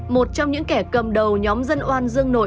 một trong những kẻ cầm đầu nhóm dân oan dương nội